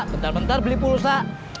bentar bentar beli pulsa